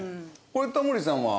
これタモリさんは？